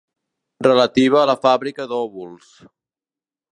Relativa a la fàbrica d'òvuls.